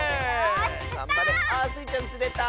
スイちゃんつれた！